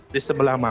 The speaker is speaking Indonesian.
di sebelah mana